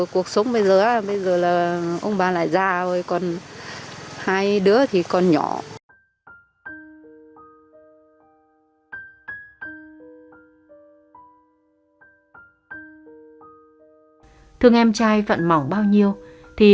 cuộc sống bây giờ là ông bà là già thôi